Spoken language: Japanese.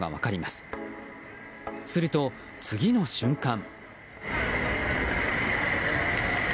すると、次の瞬間。